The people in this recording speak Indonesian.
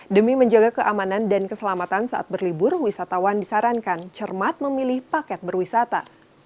demi menjaga keamanan dan keselamatan saat berlibur wisatawan disarankan cermat memilih paket berwisata